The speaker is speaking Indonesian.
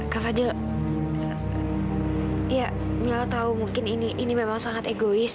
kak fadil ya mila tahu mungkin ini memang sangat egois